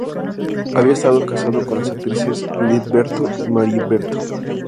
Había estado casado con las actrices Juliet Berto y Marie Berto.